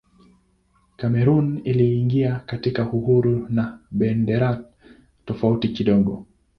Kamerun iliingia katika uhuru na bendera tofauti kidogo.